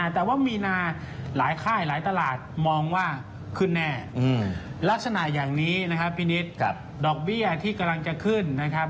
แต่ว่ามีนาหลายค่ายหลายตลาดมองว่าขึ้นแน่ลักษณะอย่างนี้นะครับพี่นิดดอกเบี้ยที่กำลังจะขึ้นนะครับ